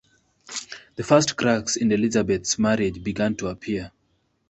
The first cracks in Elizabeth's marriage began to appear.